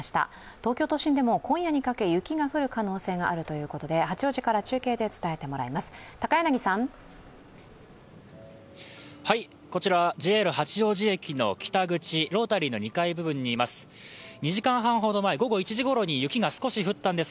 東京都心でも今夜にかけ雪が降る可能性があるということで、八王子から中継で伝えてもらいます。